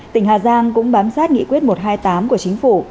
tỉnh hà giang cũng bám sát nghị quyết một trăm hai mươi tám của chính phủ